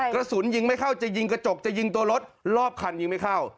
กระสุนยิงไม่เข้าจะยิงกระจกจะยิงตัวรถรอบคันยิงไม่เข้า